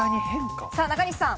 中西さん。